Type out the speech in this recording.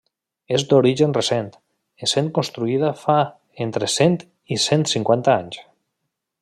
És d'origen recent, essent construïda fa entre cent i cent cinquanta anys.